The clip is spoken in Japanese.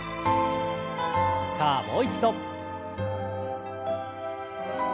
さあもう一度。